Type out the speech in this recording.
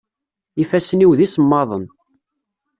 Ifassen-iw d isemmaḍen.